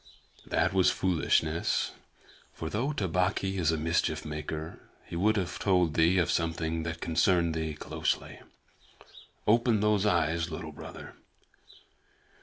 "That was foolishness, for though Tabaqui is a mischief maker, he would have told thee of something that concerned thee closely. Open those eyes, Little Brother.